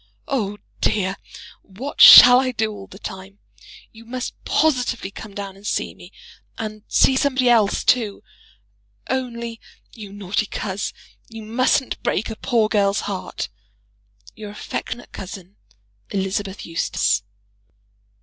Oh, dear, what shall I do all the time? You must positively come down and see me, and see somebody else too! Only, you naughty coz! you mustn't break a poor girl's heart. Your affectionate cousin, ELI. EUSTACE.